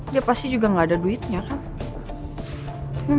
dia pasti juga gak ada duitnya kan